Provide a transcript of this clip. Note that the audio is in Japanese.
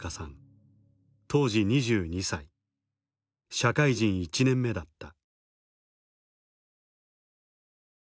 社会人１年目だった。